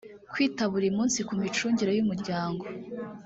kwita buri munsi ku micungire y umuryango